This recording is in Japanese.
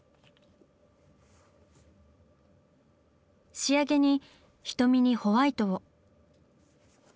仕上げに瞳にホワイトを。